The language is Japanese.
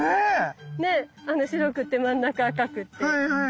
ね白くて真ん中赤くて。